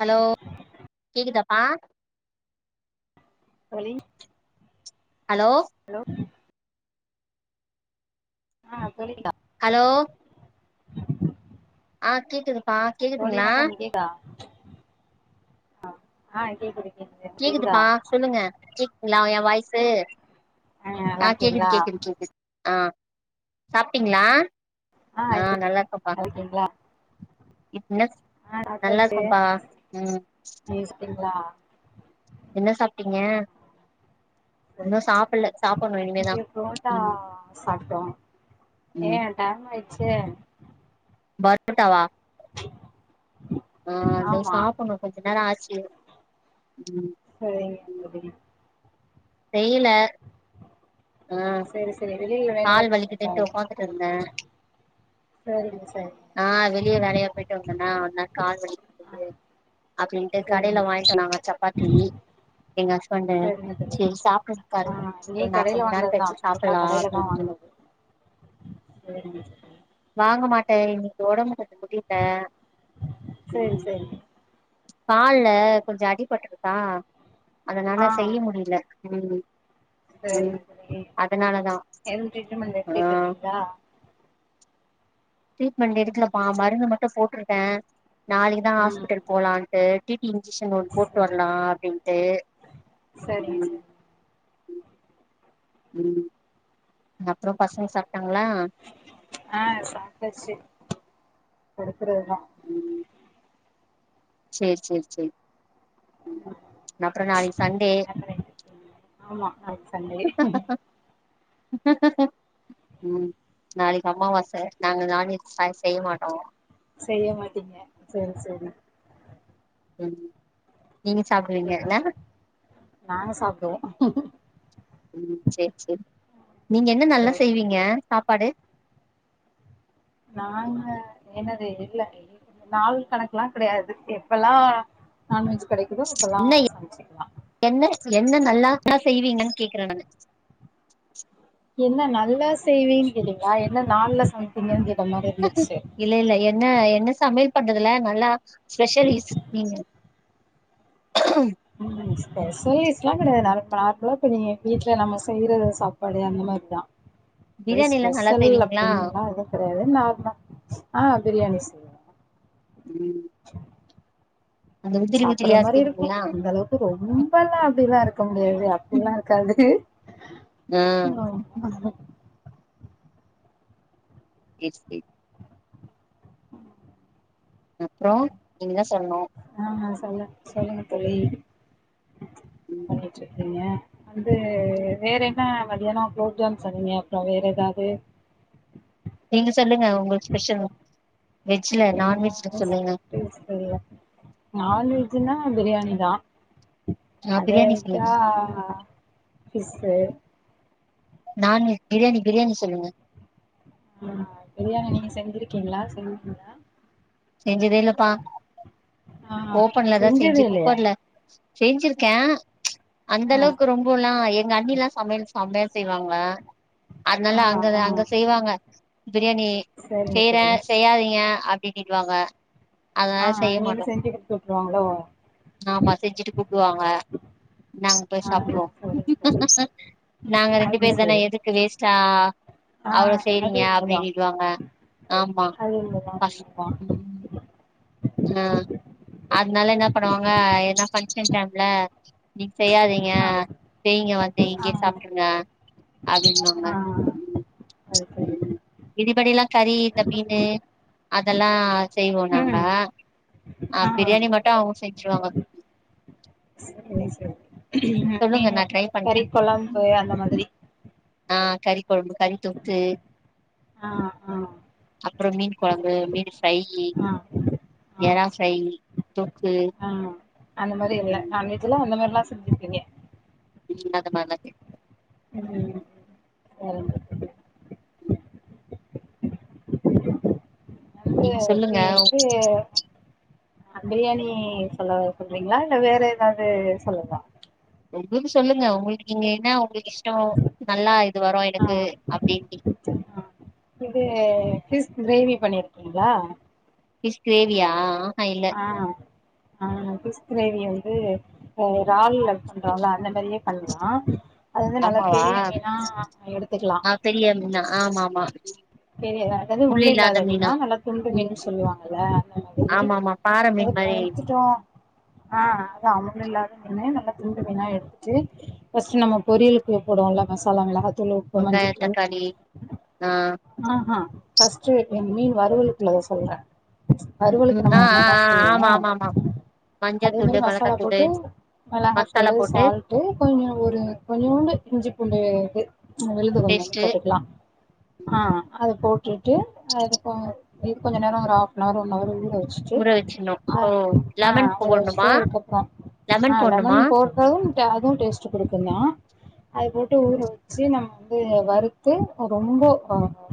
Hello கேக்குதாப்பா தோழி hello hello ஆ சொல்லிகிட்டா ஹலோ ஆ கேக்குதுப்பா கேக்குதுங்ளா அ ஆ கேக்குது கேக்குது கேக்குதா கேக்குதுப்பா சொல்லுங்க கேக்குதுங்ளா எ வாய்சு நல்லா ஆ கேக்குது இருக்கீங்களா கேக்குது கேக்குது ஆ சாப்டீங்ளா ஆ நல்லா இருக்கம்பா இப்ப என்ன செய் ஆ சாப்டாச்சி நீங்க சாப்டீங்ளா என்ன சாப்ட்டீங்க இன்னு சரிங்க சாப்புல்ல சாப்பிட்ணு இனிமேதா இன்னைக்கு புரோட்டா ம் சாப்ட்டோ ஏ ம் டைம் ஆய்ட்ச்சே பரோட்டாவா ஆ அது ஆமா சாப்புன்னு கொஞ்ச நேரோ ஆச்சி ம் சரிங் [unintelligible] செய்ல ம் செரி செரி வெளில வேலையா போய்ர்ந்தீங்ளா உக்காந்துட்டு இருந்தே செரிங்க செரிங்க ஆ வெளிய வேலையா போய்ட்டு வந்தண்ணா அதுனால கால் வலி ஆ [unintelligible] அப்டின்ட்டு சரிங்க கடைல தோழி வாய்ங்கிட்ட நாங்க சப்பாத்தி எங்க வந்தே சரிங்க தோழி செரி சாப்ட்டுருக்காரு ஆ செரி நா கொஞ்ச நேரோ கழிச்சி சாப்பல்லா அப்டின் அமையாது செரிங்க வாங்க மாட்டே இன்னிக்கு ஒடம்பு கொஞ்ச முடில செரி செரி கால்ல கொஞ்ச அடிபட்டுருக்கா ஆ அதனால செய்ய முடியில ம் ம் சேரிங்க தோழி அதனாலதா எதும் ட்ரீட்மெண்ட் ஆ எடுத்துட்டு இருக்கீங்களா ட்ரீட்மென்ட் எடுக்கலப்பா மருந்து மட்டு போட்ருக்கே நாளைக்கு தா ம் ஹாஸ்பிட்டல் போலான்ட்டு டிடி இன்ஜெக்ஷன் ஒன்னு போட்டு வரலா அப்டின்ட்டு சேரிங்க ம் சேரிங்க ம் அப்றோ பசங்க சாப்ட்டாங்களா ஆ சாப்டாச்சி படுக்கறதுதா செரி செரி செரி அப்றோ நாளைக். சண்டே என்ன பண்ணிட்டு இருக்கீங்க ஆமா நாளைக்கு சண்டே அ அ அ ஆ ம் நாளைக்கு அம்மாவாச நாங்க நான்வெஜ் சாய் செய்ய மாட்டோ செய்ய மாட்டீங்க செரி செரி ம் நீங்க சாப்டுவீங்க இல்ல நாங்க சாப்டுவோ ம் செரி செரி நீங்க என்ன நல்லா சேரி செய்வீங்க சாப்பாடு நாங்க என்னது இல்ல நாள் கணக்ல்லா கெடையாது எப்பல்லா நான்வெஜ் கெடைக்குதோ அப்பெல்லா என்ன சமச்சுக்கலா என்ன என்ன நல்லாதா செய்வீங்கன் கேக்குற நானு என்ன நல்லா செய்வேன் கேட்டீங்களா என்ன நாள்ல சமைப்பீங்கன் கேட்ட மாரி இரு இல்ல இல்ல என்ன என்ன சமையல் பண்றதுல நல்லா ஸ்பெஷலிஸ் நீங்க ம் ஸ்பெஷலிஸ்லா கெடையாது நா நார்மலா இப்ப நீங்க வீட்ல நம்ம செய்றத சாப்டுவாங்கள்ள அதா கைஸ் பிரியாணிலா நல்லா ஸ்பெஷல் செய்வீங்களா அப்டின்ன் இது அது அது நார்ம்ல் ஆ பிரியாணி செய்வே ம் அந்த உதிரி சாப்பற உதிரியா மாரி இருக்கு செய்வீங்களா அந்த அளவுக்கு து ரொம்பல்லா அப்டிலா இருக்க முடியாது அப்டிலா இருக்காது ஆ [unintelligible] எச் பி அப்றோ நீங்கதா சொல்ணு ஆமா சொல்லு சொல்லுங்க தோழி ம் பண்ணிட்டு செய்ங்க வந்து வேற என்ன மதியானோ க்ளோப்ஜாம் சொன்னீய அப்றோ வேற ஏதாவது நீங்க சொல்லுங்க உங்ளுக்கு ஸ்பெஷல் வெஜ்ல நான்வெஜ்ல சொல்லுங்க டேஸ்ட்வரியா நான்வெஜ்ன்னா பிரியாணி தா ஆ அத பிரியாணி விட்டா சொல்லுங்க ஃபிஸ்சு நானு பிரியாணி பிரியாணி சொல்லுங்க ம் பிரியாணி நீங்க செஞ்சிருக்கீங்ளா செய்வீங்களா செஞ்சதே இல்லப்பா ஆ ஓபன்லதான் செஞ்சது செஞ்சு இல்லையா குக்கர்ல செய்ஞ்சிருக்க அந்த ஆ அளவுக்கு ரொம்போல்லா எங்க அண்ணிலா சமயல் சம்மயா செய்வாங்க அதனால ஆ அங்க ஆ அங்க செய்வாங்க பிரியாணி சரிங்க செய்ற தோழி செய்யாதீங்க அப்டின்டு வாங்க ஆ அங்கிந்து செஞ்சு குடுத்துட்ருவாங்கலா ஆமா செஞ்சுட்டு கூப்டுவாங்க நாங்க போய் ஆ சாப்ட்றுவோ சரிங்க தோழி நாங்க ரெண்டு அது பேர் தான சரி எதுக் கு வேஸ்ட்டா ஆ அவ்ளோ அது செய்றீங்க உண்மதா அப்டின்றுவாங்க ஆமா அது உண்மதா உண்மதா ம் ஆ அத்னால என்ன பண்ணுவாங்க எனா பங்க்ஷன் டைம்ல நீங்க செய்யாதீங்க ஆ செய்ங்க வந்து இங்யே ஆ சாப்ட்றுங்க அப்டின்வாங்க ஆ அது சேரி ம் இதிபடில்லா கறி இந்த மீனு அதெல்லா செய்வோ நாங்க ம் ஆ பிரியாணி மட்டு அவ்ங்க செஞ்சுருவாங்க சேரி சேரி சொல்லுங்க மீனு நா ட்ரை பண்றே கறி கொழம்பு அந்த மாதிரி ஆ கறி கொழம்பு கறித்தொக்கு ஆ ஆ அப்றோ மீன் கொழம்பு மீன் ஃப்ரைஇ ஆ ஆ எறா ஃப்ரை தொக்கு ஆ அந்த மாரி இல்ல ம் நான்வெஜ் எல்லா அந்த மாரிலா செஞ்சிருக்கீங்க ம் அந்த மார்லா செஞ் ம் ம் வேறென்ன நீங்க சொல்லுங்க பசி இது அந்த பிரியாணி சொல்ல சொல்றீங்ளா இல்ல வேற ஏதாவது சொல்லவா உங்ளுக்கு சொல்லுங்க உங்ளுக்கு நீங்க என்ன உங்ளுக்கு இஷ்டோ நல்லா இது வரு ஆ எனக்கு அப்டிஇப்டி ஆ இது பிஸ் கிரேவி பண்ணீர்க்கீங்ளா ஃபிஷ் கிரேவியா ஆஹா இல் ஆ ஆ ஃபிஸ் கிரேவிய வந்து இறால்ல பண்றோல அந்த மாரியே பண்லா அது வந்து நல்ல பெரிய ஃபிஷ் மீனா எடுத்துக்குலா ஆ பெரிய மீனா ஆமாம்மா பெரிய அதாவ்து முள்ளில்லாத மீனா நல்லா ம் துண்டுமீன்னு சொல்வாங்கல்ல அந்த மேரி ஆமா ஆமா பாற அதே மீன் மாரி படுத்துடோ ஆ அது அ முல்லில்லாத மீனு நல்ல துண்டு மீனா எடுத் டு ஃபஸ்டு நம்ம பொரியலுக்கு போடுவோல மசாலா மொளஹாத்தூளு உப்பு வெங்காய மஞ்சத்தூளு தக்காளி ஆ ஆஹா ஃபஸ்ட் ம் மீன் வரவலுக்குள்ளத சொல்றன் ம். வருவலுக்கு ஆ நம்ம ஆ என்னல்லாம் ஆ ஆமா செய்வோம் ஆமா ஆமா அதே மேரி மஞ்சத்தூளு மசாலா மெளகாத்தூளு போட்டு மசாலா மிளகாத்தூலு போட்டு சால்ட் டு கொஞ்சம் ஒரு கொஞ்சோண்டு இஞ்சி பூண்டு இது விழுது கொஞ்சோண்டு பேஸ்ட்டு போட்டுக்லாம் ஆங் அத போட்டுட்டு அதுக்க இது கொஞ்சோ நேரோ ஒரு ஆஃப் நவர் ஒன் நவர் ஊற வச்ட்டு ஊற வச்சிர்ணு ஆ ஓ அ லெமன் போடணுமா ஊரவச்ட்டு அதுகப்றம் ஆ லெமன் போட் [unintelligible] அதுவு டேஸ்ட்டு குடுக்குந்தா அது போட்டு ஊற வச்சு நமக்கு வறுத்து ரொம்போ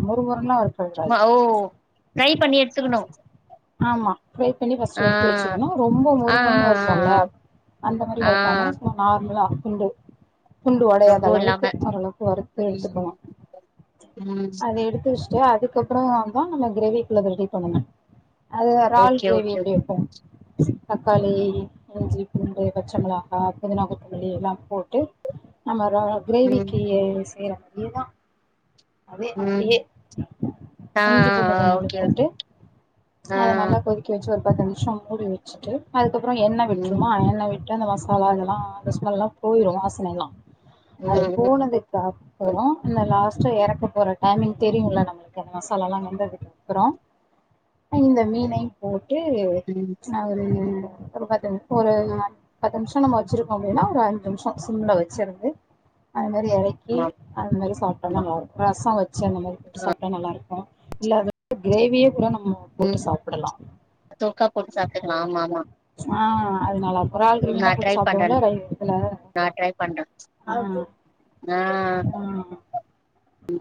மொறு மொறுலாம் வருக் பா ஓ ஃப்ரை பண்ணி எடுத்துக்ணு ஆமா ஃப்ரை பண்ணி ஃபஸ்ட்டு எடுத்து வச்சுக்கணு ரொம்ப ஆ ஆ மொறு மொறுன்னு வறுப்போல்ல அந்த மாரி ஆ ஆ ஆ வறுக்காம சும்மா நார்மலா துண்டு துண்டு ஒடையாத ரொம்பவு அளவுக்கு இல்லாம ஓரளவுக்கு வறுத்து ம் எடுத்துக்கலாம் ம் அத எடுத்து வச்சுட்டு அதுக்கப்றந்தான் நம்ம கிரேவிக்குள்ளத ரெடி பண்ணணும் அது எரால் ஓகே கிரேவி ஓகே எப்டி வெப்போ தக்காளி இஞ்சி பூண்டு பச்சமெளஹா புதினா கொத்தமல்லி எல்லா போட்டு நம்ம ரோ ம் கிரேவிக்கு செய்ற மாரியேதா அதே ம் அப்டியே ஆ ஆ இஞ்சி பூண்டு கொஞ்சோண்டு ஓகே ஓகே போட்டு ஆ அத நல்லா கொதி க்கு வெச்சு ஒரு பத்து நிம்ஷோ மூடி வெச்சுட்டு அதுக்கப்றோ எண்ண விட்ருமா ம் எண்ண விட் டு அந்த மசாலா இதலா அந்த ஸ்மெல்லா போய்ரு வாசன எல்லா அது ம் போனதுக் கப்புரோ பின்ன லாஸ் ஒரு டைமிங் தெரியும்ல நம்மளுக்கு அந்த மசாலால்லாம் வெந்ததுக்கு அப்றம் ஆ இந்த மீனை போட்டு ம் ஒரு பத்து நிமிஷம் ஒரு அஞ் பத்து நிமிஷ நம்ம வச்சிருக்கோ அப்டின்னா ஒரு அஞ்சு நிமிஷ சிம்ல வச்சிருந்து அதமாரி எரக் க்கி ஆமா அது மாரி சாப்டோன்னா ஆமா நல்லாருக்கு ரசோ வச்சு அந்த மாரி சாப்ட்டா நல்லாருக்கு இல்ல அத கிரேவியே கூட நம்மோ ம் தொக்கா போட்டு சாப்ட்டுக்கலா ஆமா ஆமா ஆ அது நல்லாருக் [unintelligible] நா கிரேவினா ட்ரை போட்டு பண்றே சாப்டுவோம்ல ரை இதுல நா ட்ரை பண்றே ஆ ஆ ஆ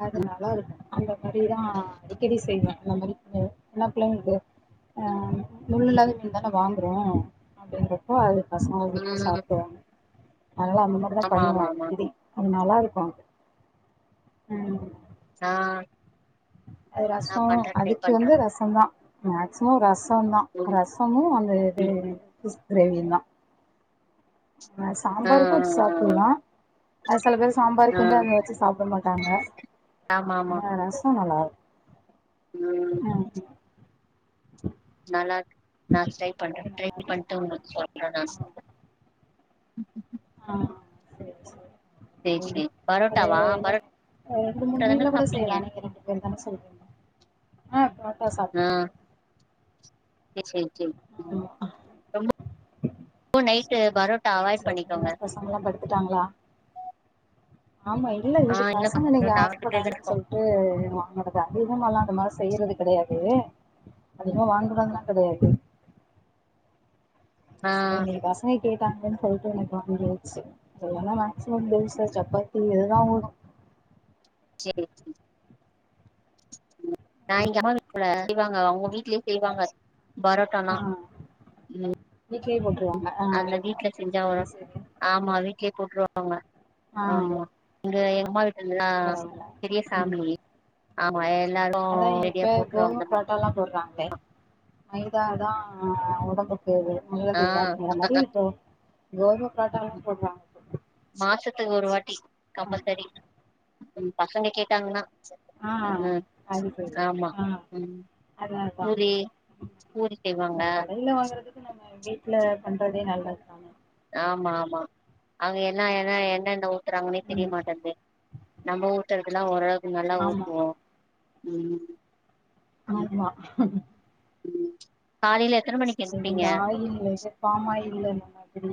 அது நல்லாருக்கு அந்த மாரிதா அடிக்கடி செய்வ அந்த மாரி எ என்ன புள்ளைங்களுக்கு ஆ முள இல்லாத மீன் தான வாங்குறோ அப்டின்ற அப்போ அது பசங்க விரும்பி ம் சாப்டுவாங்க அதனால அந்த மாரிதா ஆமா பண்ணுவ ஆமா ஆமா அடிக்கடி அது நல்லாருக்கு ம் ஆ அது நா ரசோ பண்றே ட்ரை அதுக்கு பண்றே வந்து ரசம்தா மேக்சிமம் ரச சந்தா ம் ரசமு அந்த இது ஃபிஷ் கிரேவியும் தா ஆ சாம்பாருக்கு வச்சு சாப்புல்லா அது செல பேரு ஆ ஆ சாம்பாருக்கு வந்து அத வச்சு சாப்ட மாட்டாங்க ஆ ஆமா ஆமா ஆ ரசோ நல்லாருக் ம் ஆ நல்லாருக்கு நா ட்ரை பண்ற ட்ரை பண்ட்டு உங்களுக்கு சொல்ற ரசோ ஆ செரி செரி சேரி ஒரு சேரி ஒரு பரோட்டாவா ரெ பரோட்டா ரெண்டு மூணு தான மீன்ல கூட சாப்ட்டீங்க செய்யலா நீங்க ரெண்டு எல்லாமே சொல்றிங்க ஆ புரோட்டா சாப்டுவ செரிங்க செரிங்க ம் ஆமா ரொம்ப நைட்டு பரோட்டா அவாய்ட் பண்ணிக்கோங்க அவங்களா படுத்துட்டாங்களா ஆமா இல்ல ஆ இது பசங்க இல்லக்கா இன்னைக்கு நா ரெண்டு பேர் தா ஆசப்பட்டாங்கன்னு இருக்கோ சொல் ட்டு வாங்கறது அதிகமால்லா அந்த மாரி செய்யறது கெடையாது அதிகமா வாங்கறது கெடையாது ஆ எங்குளுக் ஆச இத்தனயூ கேட்டாங்கனு சொல்லிட்டு இன்னக்கி வாங்கியாச்சு இல்லனா மேக்சிமம் தோசை, சப்பாத்தி இதுதான் ஓடும். சேரி நான் எங்க அம்மா வீட்ல செய்வாங்க அவங்க வீட்லயே செய்வாங்க பரோட்டால்லா ஆ வீட்லயே போட்ரு அதுல வீட்ல செஞ்சா வரும். ஆமா வீட்லயே போட்ருவாங்க ஆ ஆமா இங்க எங்கம்மா எல்லாம் பரவால்ல பெரிய ம் ஃபேமிலி ஆமா எல்லாரும் வெடியா போட்ருவாங்க முட்டலா போடுறாங்களே மைதா தான் ஒடம்புக் [unintelligible] ஆ அப்படிங்கிற மாரி கோ கோதும போரட்டலா போடுவாங்க மாசத்துக்கு ஒரு வாட்டி ஆமா. கம்பல்சரி பசங்க கேட்டாங்ன்னா ஆ உம் அது சரி ஆமா ஆ உம் அதா அதா பூரி பூரி நம்ம செய்வாங்களா கடையில வாங்குறதுக்கு நம்ம வீட்ல பண்றதே நல்லது தானே ஆமா ஆமா அவுங்க என்னா என்னா என்னென ஊத்துறாங்கன்னே ம் தெரியமாட்டேங்து நம்ம ஊத்துரதெல்லாம் ஓரளவுகு நல்லா ஆமா ஊத்துவோம் உம் ஆமா ம் காலையில எத்தன மணிக் இந்த ஆயில் எகதாமால் இந்த மாதிரி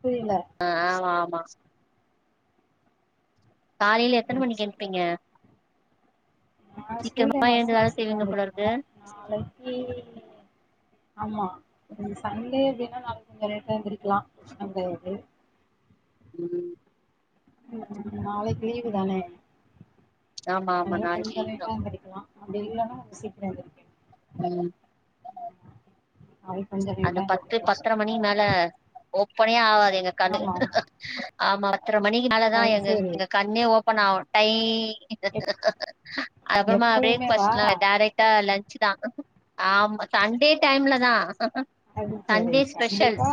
புரியல ஆ ஆமா காலையில எத்தன ம் மணிக்கு எந்ப்பீங்க நா ஸ்கூல் டைமா ந்தா எழுந்து வேல கொஞ்சம் சீக்கிரம் செய்வீங்க போலருக்கு எந்துச்சுகுவே நாளைக்கு ஆமா இது சண்டே அப்டின்னா நாளைக் கொஞ்சோ லேட்ட எந்திரிக்கலாம் சண்டே அது உம் ம் நாளைக்கு லீவு தானே ஆமா ஆமா அதனால நாளைக்கு கொஞ்ச லீவ் தா லேட்டா எந்திருக்கலாம். அப்டி இல்லனா சீக்கிரம் எந்திரிக்ணும் ம் ஹாய் அந்த பத்து பத்தரை மணிக் மேல ஓப்பனே ஆவாது எங்க கண்ணு ஆமா ஆமா ஆமா பத்ரே மணிக்கு மேலதான் அது எங்க சரி எங்க க கண்ணே ஓபன் ஆகும் டை எப் அப்புறமா பிரேக் பாஸ்ட் எப்பொழுதுமேவா டைரக்ட் டா லன்ச் தான் ஆமா சண்டே டைம்ல தான் அது சேரி கண்டிப்பா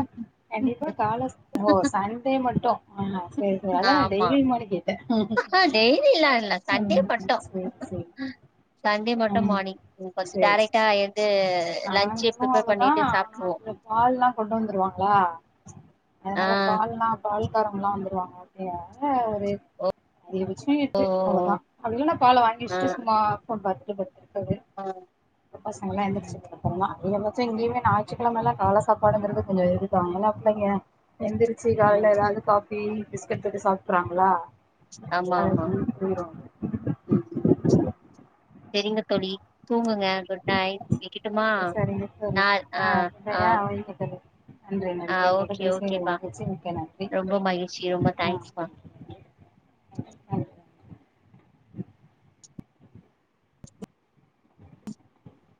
கண்டிப்பா காலஸ் ஓ சண்டே மட்டும் அ சரி சரி அதான் நா டெய்லியுமானு கேட்டேன் அ டெய்லிலா இல்ல சண்டே மட்டும் சரி சரி சண்டே மட்டும் ம் மார்னிங் கொஞ்சம் சரி சரி டேரக்டா எந்து லன்ச்சே ப்ரிப்பேர் பண்ணிட்டு சாப்ட்ருவோம் பால்லாம் கொண்டு வந்துருவாங்களா ஆ அதனால பால்லா பால்காரங்ல்லாம் வந்துருவாங்க அப்டியா ஒரு அதிகபச்சம் ஓ ஓ இருக்கு அவ்ளவுதான் அப்டிஇல்லனா பாலை வாங்கி ஓ ஆ வச்ட்டு சும்மா போன் பாத்தட்டு படுத்துருப்பேன் இப்பவே ஆ அப்றம் பசங்க எல்லாம் ம் எந்திரச்சுக் அப்றம் நா அதிகபட்சம் இங்கயுமே ஞாயிற்றுகிழமல்லா கால சாப்பாடுங்றது கொஞ்ஜோ இதுதான் அதுனால பிள்ளைங்க எந்திரிச்சு காலையில ம் ஏதாவது காபி பிஸ்கட் தொட்டு சாப்ட்றாங்களா ஆமா அது ஆமா போயிரு செரிங்க தோழி தூங்குங்க குட் நைட் வெக்கட்டுமா செரிங்க தோழி ஆ ஆ செரியா வைங்க தோழி நன்றி ஆ நன்றி உங்கள்ட்ட ஓகே பேசியது ஓகேப்பா மகிழ்ச்சி மிக்க நன்றி ரொம்ப மகிழ்சி ரொம்ப ஆ தேங்க்ஸ்கா நன்றி நன்றி நன்றி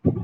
உஹ